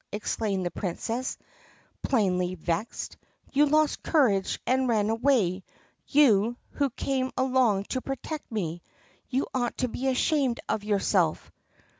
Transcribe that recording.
exclaimed the Princess, plainly vexed. "You lost courage and ran away — you, who came along to protect me! You ought to be ashamed of yourself."